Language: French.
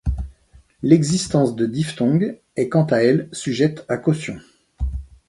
L’existence de diphtongues est quant à elle sujette à caution.